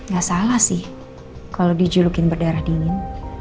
gak salah sih kalau dijulukin berdarah dingin